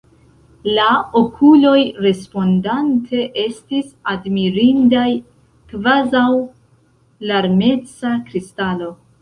La okuloj respondante estis admirindaj, kvazaŭ larmeca kristalo.